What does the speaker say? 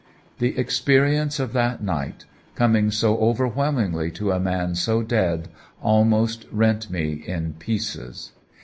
"The experience of that night, coming so overwhelmingly to a man so dead, almost rent me in pieces.